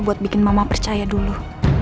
buat bikin mama percaya dulu